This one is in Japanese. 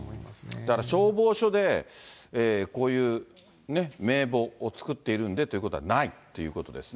だから消防署でこういうね、名簿を作っているんでということはないっていうことですね。